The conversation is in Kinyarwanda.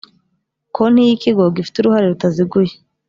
konti y ikigo gifite uruhare rutaziguye